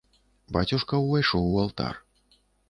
Бацюшка ўвайшоў у алтар.